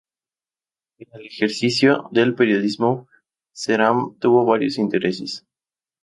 En el ejercicio del periodismo, Ceram tuvo varios intereses.